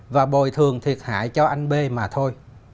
và bồi thường thiệt hại cho anh b mà thôi